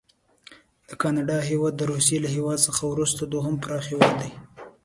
د کاناډا هیواد د روسي له هیواد څخه وروسته دوهم پراخ هیواد دی.